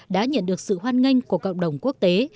đã nhận được sự hoan nghênh của cộng đồng quốc tế